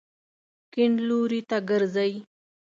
کیڼ لوري ته ګرځئ